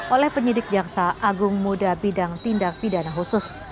oleh penyidik jaksa agung muda bidang tindak pidana khusus